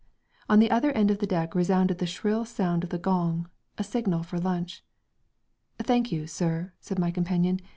On the other end of the deck resounded the shrill sound of the gong, a signal for lunch. "Thank you, sir," said my companion.